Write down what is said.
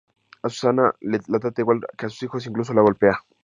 A Susana la trata igual que a sus hijos, incluso la golpea.